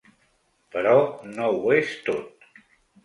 Però no ho és tot.